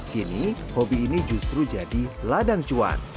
kini hobi ini justru jadi ladang cuan